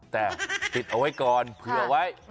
แต่ติดเอาไว้ก่อนเผื่อไว้